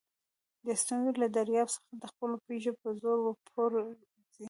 د ستونزي له دریاب څخه د خپلو پښو په زور پورېوځئ!